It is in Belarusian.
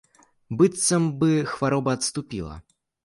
Быццам бы хвароба адступіла.